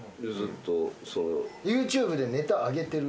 ＹｏｕＴｕｂｅでネタ上げてる？